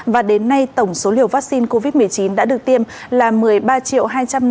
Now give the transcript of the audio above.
và đến nay tổng số liều vaccine covid một mươi chín đã được tiêm là một mươi ba hai trăm năm mươi sáu bốn trăm bảy mươi hai liều